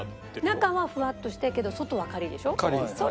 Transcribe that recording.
中はフワッとしてるけど外はカリッでしょ？